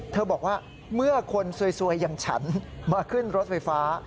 บอกว่าเมื่อคนสวยอย่างฉันมาขึ้นรถไฟฟ้า